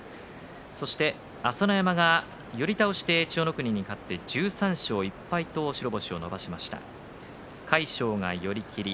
そして、朝乃山が寄り倒しで千代の国に勝って１３勝１敗と白星を伸ばしました。